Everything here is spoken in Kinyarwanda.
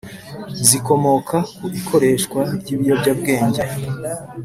zikomoka ku ikoreshwa ry’ibiyobyabwenge.